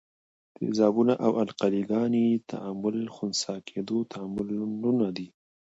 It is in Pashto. د تیزابونو او القلي ګانو تعامل خنثي کیدو تعاملونه دي.